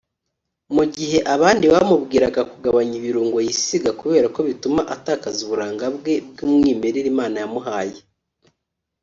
mu gihe abandi bamubwiraga kugabanya ibirungo yisiga kubera ko bituma atakaza uburanga bwe bw’ umwimerere Imana yamuhanye